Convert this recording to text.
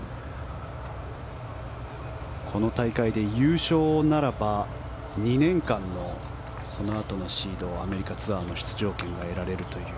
この大会で優勝ならば２年間のそのあとのシードアメリカツアーの出場権が得られるという。